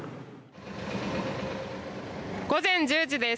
午前１０時です。